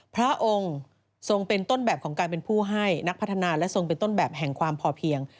พระองค์ทรงเป็นต้นแบบของการเป็นผู้ให้นักพัฒนาและทรงเป็นต้นแบบแห่งความพอเพียง